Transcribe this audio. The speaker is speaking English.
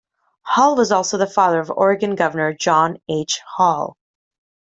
Hall was also the father of Oregon governor John H. Hall.